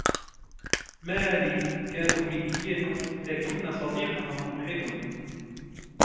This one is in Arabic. ماري كاثوليكية، لكن صديقها ملحد.